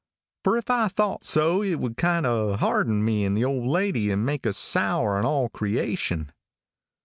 Fer if I thought so it would kind o' harden me and the old lady and make us sour on all creation.